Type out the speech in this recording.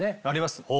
あります